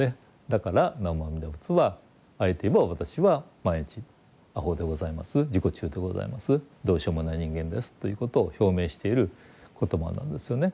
だから南無阿弥陀仏はあえて言えば私は毎日アホでございます自己中でございますどうしようもない人間ですということを表明している言葉なんですよね。